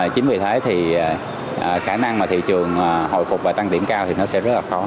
chính vì thế thì khả năng mà thị trường hồi phục và tăng điểm cao thì nó sẽ rất là khó